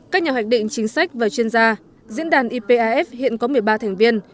các nhà hoạch định chính sách và chuyên gia diễn đàn ipaf hiện có một mươi ba thành viên